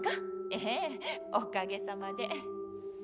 ええおかげさまで。